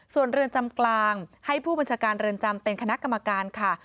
ส่วนเรือนจำกลางให้ผู้บัญชาการเรือนจำเป็นคณะกรรมการค่ะ